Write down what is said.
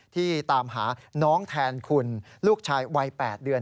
ตามหาน้องแทนคุณลูกชายวัย๘เดือน